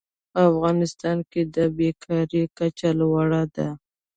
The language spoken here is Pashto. په افغانستان کې د بېکارۍ کچه لوړه ده.